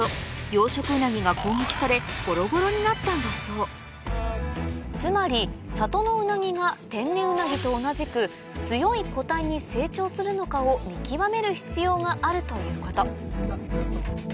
養殖ウナギが攻撃されボロボロになったんだそうつまり里のウナギが天然ウナギと同じく強い個体に成長するのかを見極める必要があるということ